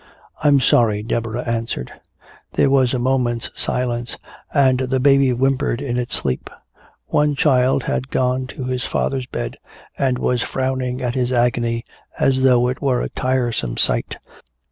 "I'm sorry," Deborah answered. There was a moment's silence, and the baby whimpered in its sleep. One child had gone to his father's bed and was frowning at his agony as though it were a tiresome sight.